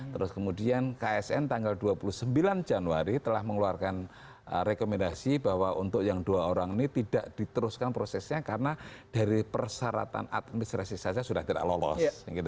terus kemudian ksn tanggal dua puluh sembilan januari telah mengeluarkan rekomendasi bahwa untuk yang dua orang ini tidak diteruskan prosesnya karena dari persyaratan administrasi saja sudah tidak lolos